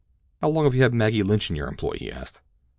"How long have you had Maggie Lynch in your employ?" he asked.